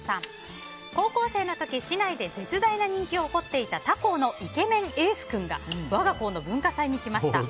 高校生の時市内で絶大な人気を誇っていた他校のイケメンエース君が我が校の文化祭に来ました。